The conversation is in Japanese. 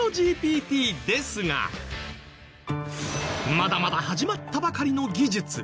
まだまだ始まったばかりの技術。